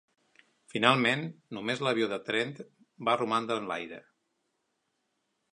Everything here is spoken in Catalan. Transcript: Finalment, només l'avió de Trent va romandre en l'aire.